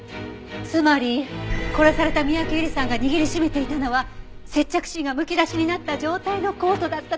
つまり殺された三宅由莉さんが握りしめていたのは接着芯がむき出しになった状態のコートだったというわけ。